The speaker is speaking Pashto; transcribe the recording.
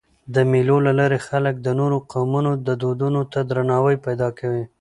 د مېلو له لاري خلک د نورو قومونو دودونو ته درناوی پیدا کوي.